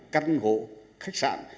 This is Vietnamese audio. căn hộ khách sạn